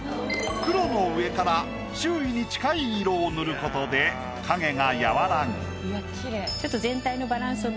黒の上から周囲に近い色を塗ることで影が和らぐ。